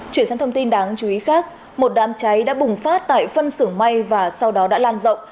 chuyển sang thông tin đáng chú ý khác một đám cháy đã bùng phát tại phân xưởng may và sau đó đã lan rộng